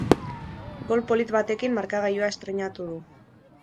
Gol polit batekin markagailua estreinatu du.